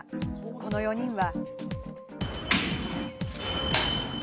この４人は。